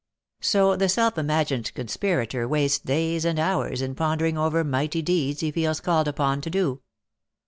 So the self imagined conspirator wastes days and hours in pondering over mighty deeds he feels called upon to do.